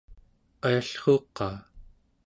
ayallruuq-qaa?